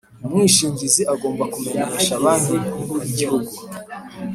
Umwishingizi agomba kumenyesha Banki Nkuru y’Igihugu